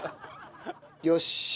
よし。